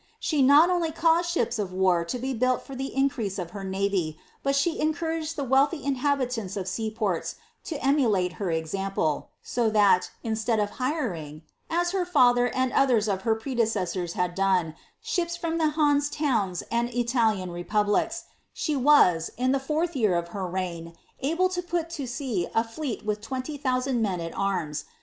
* She not only caused ships of war to be built for the increase of her navy, but she encouraged the wealthy inhabitants of sea ports to emulate her example; so that, instead of hiring, as her father and others of her pre decessors had done, ships from the Hans towns and Italian republics, she was, in the fourth year of her reign, able to put to sea a fleet with tveniy thousand men at arms.